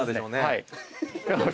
はい。